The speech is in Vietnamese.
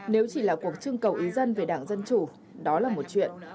nếu chỉ là cuộc trưng cầu ý dân về đảng dân chủ đó là một chuyện